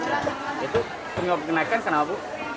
itu kenaikan kenapa